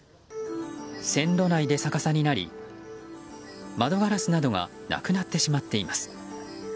線路内で逆さになり窓ガラスなどがなくなってしまっています。